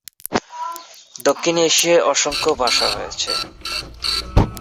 দক্ষিণ এশিয়ায় অসংখ্য ভাষা রয়েছে।